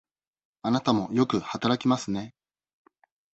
あなたもよく働きますね。